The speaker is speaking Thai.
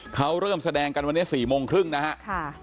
เขาเริ่มแสดงกันวันนี้๔โมงครึ่งนะครับ